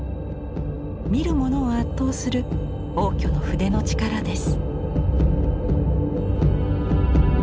見る者を圧倒する応挙の筆の力です。